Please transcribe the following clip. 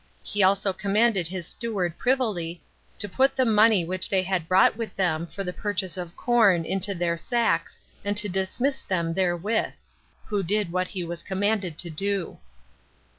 He also commanded his steward privily to put the money which they had brought with them for the purchase of corn into their sacks, and to dismiss them therewith; who did what he was commanded to do.